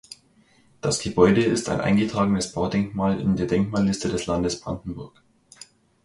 Das Gebäude ist ein eingetragenes Baudenkmal in der Denkmalliste des Landes Brandenburg.